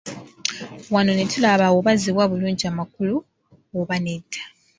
Wano ne tulaba oba ziwa bulungi amakulu oba nedda.